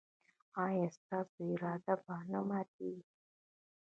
ایا ستاسو اراده به نه ماتیږي؟